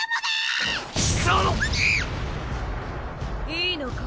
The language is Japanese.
いいのか？